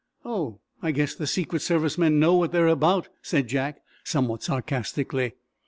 "Oh, I guess the secret service men know what they're about," said Jack somewhat sarcastically.